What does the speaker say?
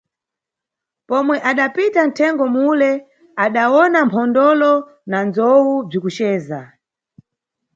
Pomwe adapita nʼthengo mule, adawona mphondolo na ndzowu bzikuceza.